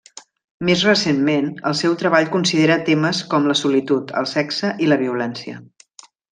Més recentment, el seu treball considera temes com la solitud, el sexe i la violència.